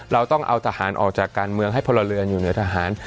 เราต้องเอาทหารออกจากการเมืองให้พลเรือนอยู่เหนือทหาร